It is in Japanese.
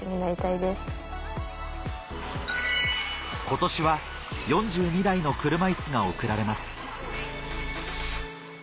今年は４２台の車いすが贈られます